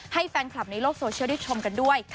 ให้แฟนคลับในโลกโซเชียลได้ชมกันด้วย